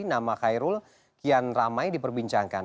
nama khairul kian ramai diperbincangkan